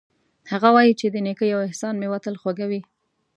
هغه وایي چې د نیکۍ او احسان میوه تل خوږه وي